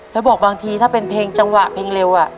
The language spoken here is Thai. แล้วบอกบางทีถ้าเป็นเพลงจังหวะเพลงเร็ว